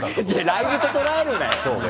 ライブと捉えるなよ！